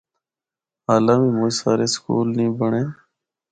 حالاں بھی مُچ سارے سکول نیں بنڑے۔